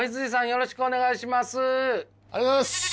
よろしくお願いします。